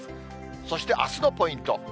そしてあすのポイント。